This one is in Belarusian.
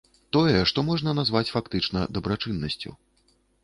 Тое, што можна назваць фактычна дабрачыннасцю.